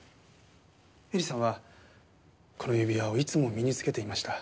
絵里さんはこの指輪をいつも身に着けていました。